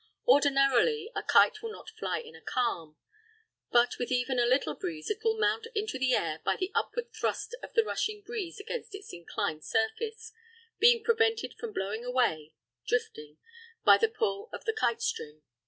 Ordinarily, a kite will not fly in a calm, but with even a little breeze it will mount into the air by the upward thrust of the rushing breeze against its inclined surface, being prevented from blowing away (drifting) by the pull of the kite string.